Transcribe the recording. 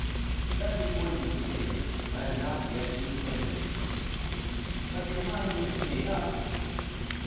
"That report is mistaken; I have not yet consented." "But your mind is made up?"